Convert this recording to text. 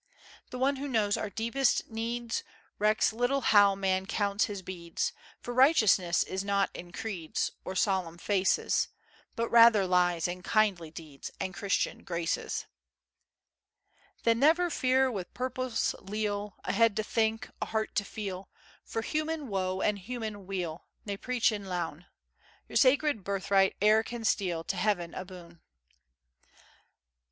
The one who knows our deepest needs, Recks little how man counts his beads, For Righteousness is not in creeds, Or solemn faces; But rather lies in kindly deeds, And Christian graces, Then never fear; wi' purpose leal,[I] A head to think, a heart to feel For human woe and human weal, Na preachin' loun[J] Your sacred birthright e'er can steal To Heaven aboon.